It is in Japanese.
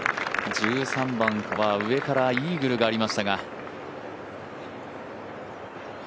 １３番、イーグルがありましたが。